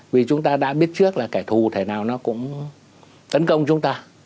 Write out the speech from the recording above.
vì chúng ta đã biết trước là kẻ thù thể nào nó cũng tấn công chúng ta